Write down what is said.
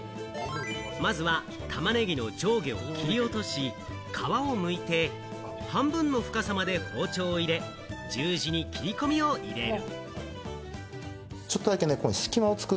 まずは玉ねぎの上下を切り落とし、皮をむいて、半分の深さまで包丁を入れ、十字に切り込みを入れる。